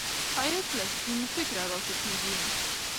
ښایست له سپین فکره راټوکېږي